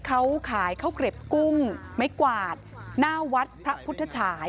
เขากลับกุ้งไม้กวาดน่าวัดพระพุทธฉาย